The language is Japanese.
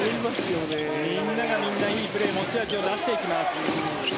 みんながみんな、いいプレー持ち味を出していきます。